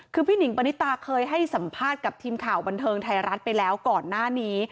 คือพี่หนิงปณิตาเคยให้สัมภาษณ์กับทีมข่าวบันเทิงไทยรัฐไปแล้วก่อนหน้านี้